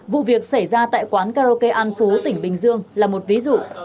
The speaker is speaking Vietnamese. vụ việc xảy ra tại quán karaoke an phú tỉnh bình dương là một ví dụ